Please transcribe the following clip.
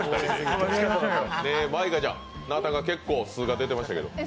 舞香ちゃん、なーたんが結構素が出てましたけど。